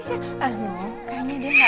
udah diangin ala lu